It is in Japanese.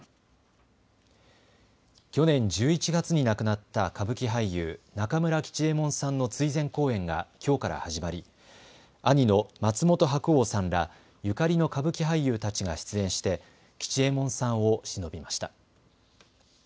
去年１１月に亡くなった歌舞伎俳優、中村吉右衛門さんの追善公演がきょうから始まり兄の松本白鸚さんらゆかりの歌舞伎俳優たちが出演して吉右衛門さんをしのびました。